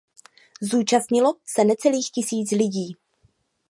Zúčastnilo se necelých tisíc lidí.